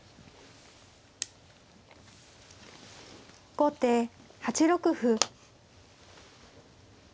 後手８六歩。